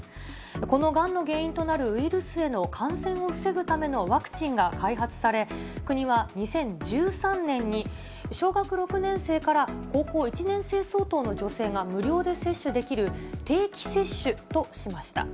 このがんの原因となるウイルスへの感染を防ぐためのワクチンが開発され、国は２０１３年に、小学６年生から高校１年生相当の女性が無料で接種できる、定期接種としました。